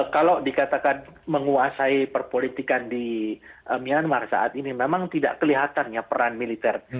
kalau dikatakan menguasai perpolitikan di myanmar saat ini memang tidak kelihatan ya peran militer